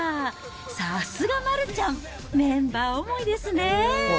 さすが丸ちゃん、メンバー思いですねぇ。